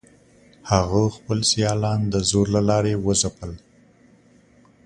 هغه خپل سیالان د زور له لارې وځپل.